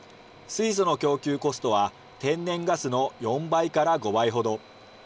水素の供給コストは、天然ガスの４倍から５倍ほど。